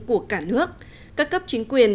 của cả nước các cấp chính quyền